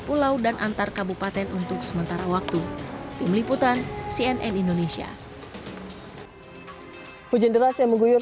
pulau dan antar kabupaten untuk sementara waktu tim liputan cnn indonesia hujan deras yang mengguyur